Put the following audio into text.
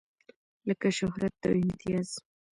لکه شهرت او امتياز.